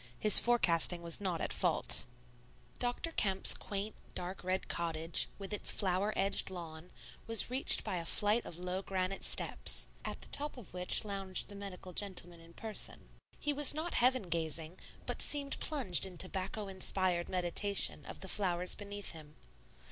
His forecasting was not at fault. Dr. Kemp's quaint, dark red cottage, with its flower edged lawn, was reached by a flight of low granite steps, at the top of which lounged the medical gentleman in person. He was not heaven gazing, but seemed plunged in tobacco inspired meditation of the flowers beneath him.